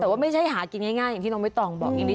แต่ว่าไม่ใช่หากินง่ายอย่างที่น้องไม่ต้องบอกอย่างนี้